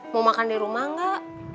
mau makan di rumah nggak